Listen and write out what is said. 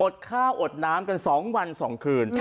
ข้าวอดน้ำกัน๒วัน๒คืน